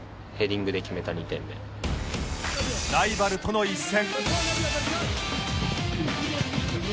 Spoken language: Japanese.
ライバルとの一戦